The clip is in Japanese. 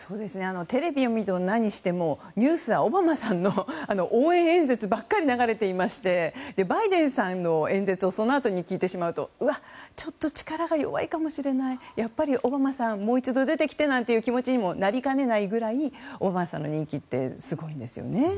テレビを見ても何をしてもニュースはオバマさんの応援演説ばかり流れていましてバイデンさんの演説をそのあとに聞いてしまうとうわ、ちょっと力が弱いかもしれないやっぱり、オバマさんもう一度出てきてなんていう気持ちにもなりかねないくらいオバマさんの人気ってすごいんですよね。